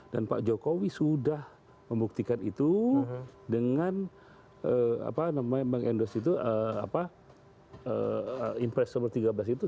dan pak jokowi sudah membuktikan itu dengan apa namanya bank endos itu eee apa eee eee impresi nomor tiga belas itu